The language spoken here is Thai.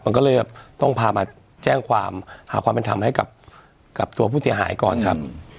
มันก็เลยต้องพามาแจ้งความหาความเป็นธรรมให้กับตัวผู้เสียหายก่อนครับ